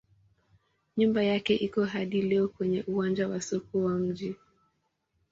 Nyumba yake iko hadi leo kwenye uwanja wa soko wa mji.